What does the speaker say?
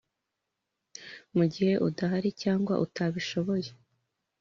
Mu gihe adahari cyangwa atabishoboye